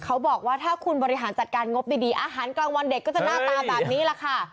เขาบอกว่าถ้าคุณบริหารจัดการงบดีอาหารกลางวันเด็กก็จะหน้าตาแบบนี้แหละค่ะ